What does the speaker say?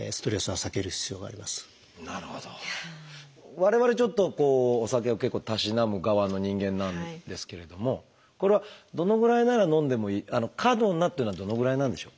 我々ちょっとお酒を結構たしなむ側の人間なんですけれどもこれはどのぐらいなら飲んでもいい「過度な」というのはどのぐらいなんでしょう？